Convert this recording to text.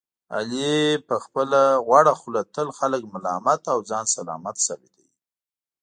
علي په خپله غوړه خوله تل خلک ملامت او ځان سلامت ثابتوي.